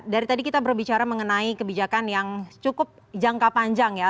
dari tadi kita berbicara mengenai kebijakan yang cukup jangka panjang ya